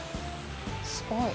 すごい。